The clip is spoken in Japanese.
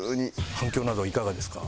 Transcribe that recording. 反響などはいかがですか？